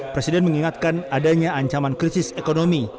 presiden mengingatkan adanya ancaman krisis ekonomi